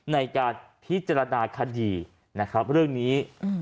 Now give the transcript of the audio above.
ในการพิจารณาคดีนะครับเรื่องนี้